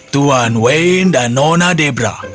tuan wayne dan nona debra